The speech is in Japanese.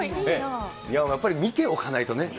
やっぱり見ておかないとね。